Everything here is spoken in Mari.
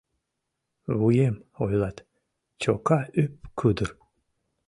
Вуем, ойлат, чока ӱп-кудыр.